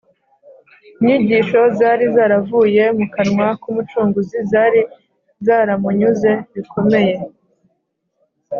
. Inyigisho zari zaravuye mu kanwa k’Umucunguzi zari zaramunyuze bikomeye